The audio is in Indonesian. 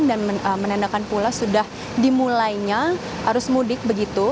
dan menandakan pula sudah dimulainya arus mudik begitu